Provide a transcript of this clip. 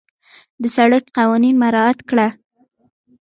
د سړک قوانين مراعت کړه.